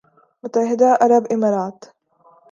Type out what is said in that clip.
متحدہ عرب امارات